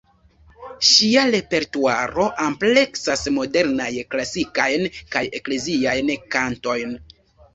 Ŝia repertuaro ampleksas modernajn, klasikajn kaj ekleziajn kantojn.